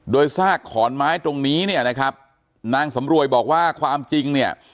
โดยซากขอนไม้ตรงนี้เนี่ยนะครับนางสำรวยบอกว่าความจริงเนี่ย